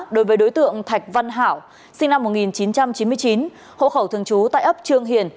đối với đối tượng thạch văn hảo sinh năm một nghìn chín trăm chín mươi chín hộ khẩu thường trú tại ấp trương hiền